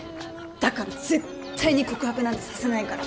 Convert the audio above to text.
だから絶対に告白なんてさせないから。